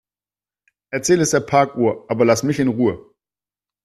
Erzähl es der Parkuhr, aber lass mich in Ruhe.